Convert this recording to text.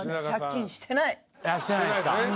してないっすか。